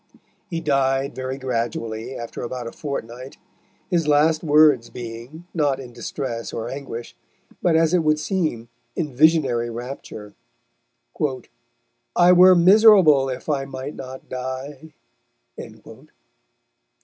He died very gradually after about a fortnight, his last words being, not in distress or anguish, but as it would seem in visionary rapture: "I were miserable if I might not die."